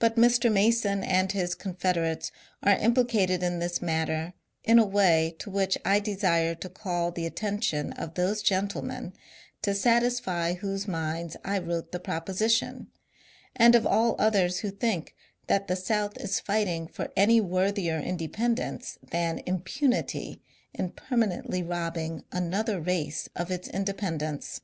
But Mr. IV^ason and his confederates are implicated in this matter in a way to which I desire to call the attention of those gentlemen to satisfy whose minds I wrote the proposition, and of all others who think that the South is fighting for any worthier independence than impunity in permanently robbing another race of its independence.